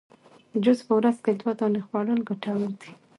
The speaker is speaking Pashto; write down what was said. جوز په ورځ کي دوې دانې خوړل ګټور دي